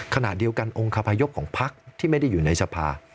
ขณะเดียวกันองค์คาพยพของพักที่ไม่ได้อยู่ในสภา